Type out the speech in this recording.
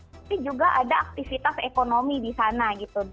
tapi juga ada aktivitas ekonomi di sana gitu